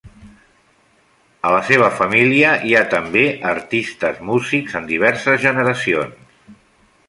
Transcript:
En la seva família hi ha també artistes músics en diverses generacions.